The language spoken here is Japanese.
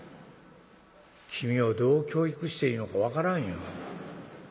「君をどう教育していいのか分からんよ。